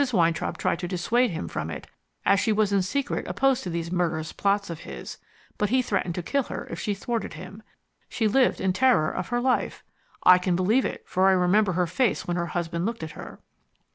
Weintraub tried to dissuade him from it, as she was in secret opposed to these murderous plots of his, but he threatened to kill her if she thwarted him. She lived in terror of her life. I can believe it, for I remember her face when her husband looked at her.